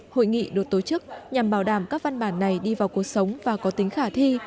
hội nghị được tổ chức nhằm bảo đảm các văn bản này đi vào cuộc sống và có tính khả thi